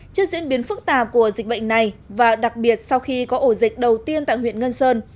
trước diễn biến phức tạp của dịch bệnh này và đặc biệt sau khi có ổ dịch đầu tiên tại huyện ngân sơn